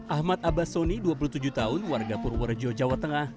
ahmad abasoni dua puluh tujuh tahun warga purworejo jawa tengah